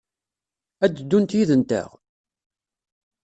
Ad d-ddunt yid-nteɣ?